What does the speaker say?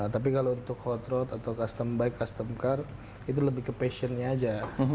tapi kalau untuk hot road atau custom bike custom car itu lebih ke passionnya aja